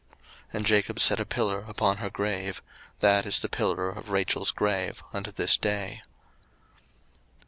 01:035:020 And Jacob set a pillar upon her grave: that is the pillar of Rachel's grave unto this day.